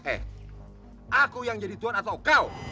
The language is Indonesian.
eh aku yang jadi tuan atau kau